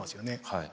はい。